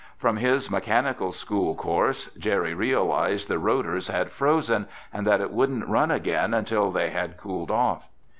From his mechanical school course, Jerry realized the rotors had "frozen" and that it wouldn't run again until they had cooled off.